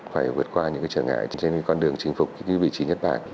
phải vượt qua những trở ngại trên con đường chinh phục vị trí nhật bản